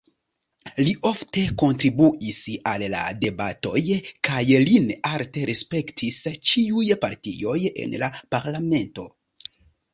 Li ofte kontribuis al debatoj, kaj lin alte respektis ĉiuj partioj en la parlamento.